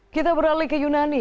kita beralih ke yunani